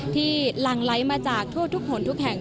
ที่หลังไล้มาจากทั่วทุกผลทุกแห่ง